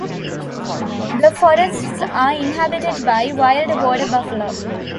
The forests are inhabited by wild Water Buffalo.